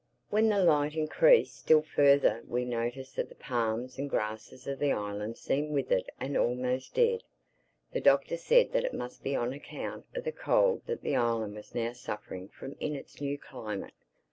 When the light increased still further we noticed that the palms and grasses of the island seemed withered and almost dead. The Doctor said that it must be on account of the cold that the island was now suffering from in its new climate.